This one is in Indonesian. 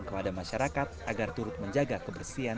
kepada masyarakat yang memiliki kemampuan untuk memanfaatkan